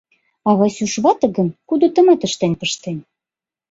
А Васюш вате гын кудытымат ыштен пыштен.